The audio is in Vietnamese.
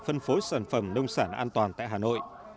phân phối sản phẩm nông sản an toàn tại hà nội